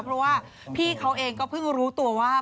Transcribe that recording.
เพราะว่าพี่เขาเองก็เพิ่งรู้ตัวว่า